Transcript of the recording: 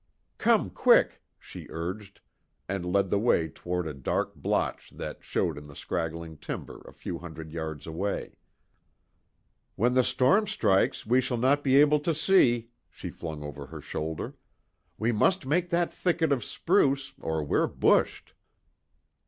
"Come, quick," she urged, and led the way toward a dark blotch that showed in the scraggling timber a few hundred yards away: "When the storm strikes, we shall not be able to see," she flung over her shoulder, "We must make that thicket of spruce or we're bushed."